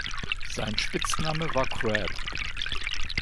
Sein Spitzname war "Crab".